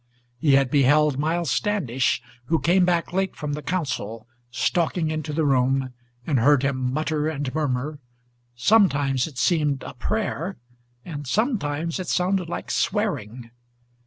He had beheld Miles Standish, who came back late from the council, Stalking into the room, and heard him mutter and murmur, Sometimes it seemed a prayer, and sometimes it sounded like swearing.